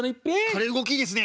「彼動きいいですね」。